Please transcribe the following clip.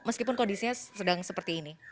meskipun kondisinya sedang seperti ini